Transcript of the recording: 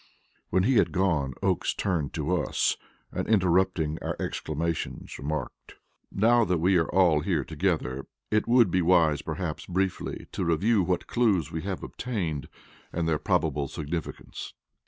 When he had gone, Oakes turned to us and, interrupting our exclamations, remarked: "Now that we are all here together, it would be wise perhaps briefly to review what clues we have obtained and their probable significance."